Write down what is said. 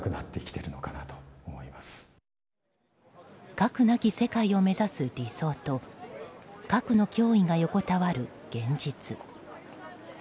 核なき世界を目指す理想と核の脅威が横たわる現実。